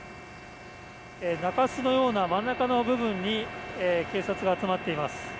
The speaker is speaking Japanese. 中州のような真ん中の部分に警察が集まっています。